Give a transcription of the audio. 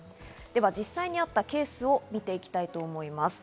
では実際にあったケースを見ていきます。